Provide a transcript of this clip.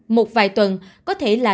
một vài tuần có thể là